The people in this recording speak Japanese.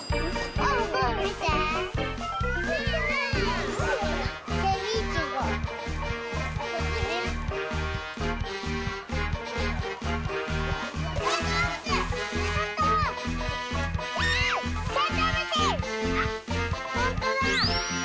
ほんとだあ。